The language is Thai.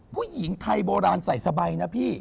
ผู้หญิงไทยโบราณใส่สบายนะพี่